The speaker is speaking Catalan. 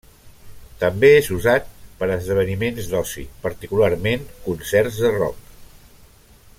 També és usat per a esdeveniments d'oci, particularment concerts de rock.